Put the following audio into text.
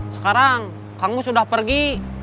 sekarang kang mus sudah pergi